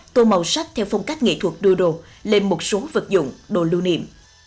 tô màu sắc theo phong cách nghệ thuật đưa đồ lên một số vật dụng đồ lưu niệm